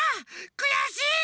くやしい！